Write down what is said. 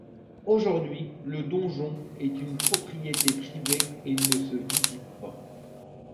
Aujourd'hui, le donjon est une propriété privée et ne se visite pas.